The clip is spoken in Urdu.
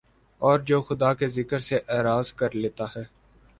اور جو خدا کے ذکر سے اعراض کر لیتا ہے